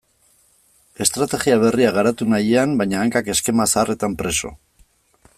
Estrategia berriak garatu nahian, baina hankak eskema zaharretan preso.